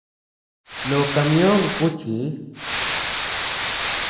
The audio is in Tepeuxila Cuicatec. No camión kuchi.